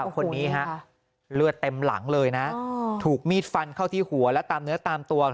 คนนี้ฮะเลือดเต็มหลังเลยนะถูกมีดฟันเข้าที่หัวและตามเนื้อตามตัว